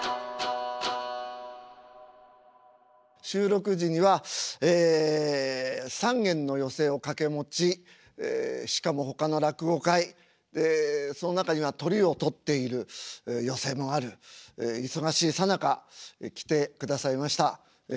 収録時にはえ３件の寄席を掛け持ちしかもほかの落語会でその中にはトリをとっている寄席もある忙しいさなか来てくださいました。